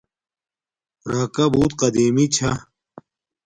راکا بوت قدیمی چھا